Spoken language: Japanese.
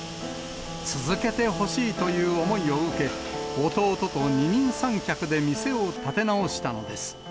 続けてほしいという思いを受け、弟と二人三脚で店を立て直したのです。